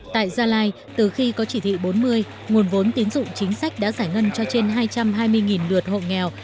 tại gia lai từ khi có chỉ thị bốn mươi nguồn vốn tín dụng chính sách đã giải ngân cho trên hai trăm hai mươi lượt hộ nghèo